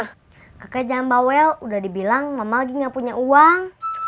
kakak jambawel udah dibilang mama lagi gak punya uang